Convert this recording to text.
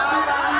selamat pagi su